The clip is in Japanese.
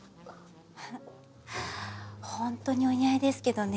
本当にお似合いですけどね。